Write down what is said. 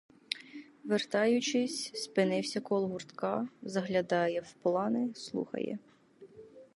Вертаючись, спинився коло гуртка, заглядає в плани, слухає.